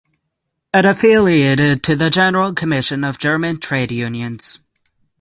It affiliated to the General Commission of German Trade Unions.